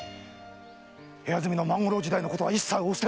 部屋住みの“万五郎”時代のことは一切お捨てになったはず。